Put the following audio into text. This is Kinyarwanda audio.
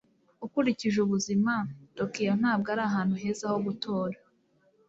ukurikije ubuzima, tokiyo ntabwo ari ahantu heza ho gutura